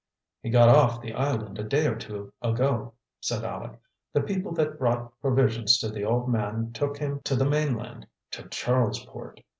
"He got off the island a day or two ago," said Aleck. "The people that brought provisions to the old man took him to the mainland, to Charlesport."